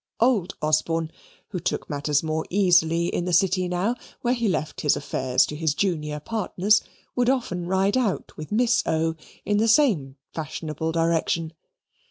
Old Osborne, who took matters more easily in the City now, where he left his affairs to his junior partners, would often ride out with Miss O. in the same fashionable direction.